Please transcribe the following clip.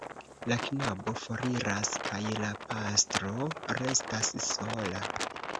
La knabo foriras kaj la pastro restas sola.